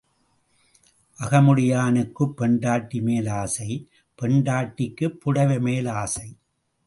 அகமுடையானுக்குப் பெண்டாட்டிமேல் ஆசை, பெண்டாட்டிக்குப் புடைவைமேல் ஆசை.